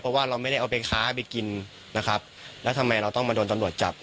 เพราะว่าเราไม่ได้เอาไปค้าไปกินนะครับแล้วทำไมเราต้องมาโดนตำรวจจับ